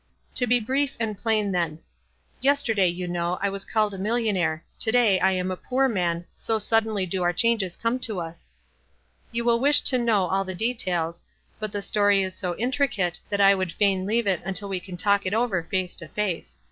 To be brief and plain then. Yesterday, you know, 1 was called a millionaire — to day I am a poor man, so suddenly do our changes come to us. You will wish to know all the details, but the story is so intricate that I would fain leave it WISE AND OTHERWISE. 11)3 until we can talk it over face to face.